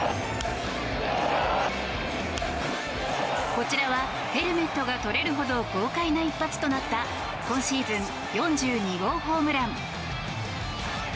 こちらはヘルメットがとれるほど豪快な一発となった今シーズン４２号ホームラン。